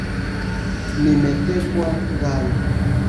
nimetekwa ndani